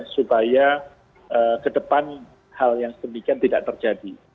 supaya ke depan hal yang sedemikian tidak terjadi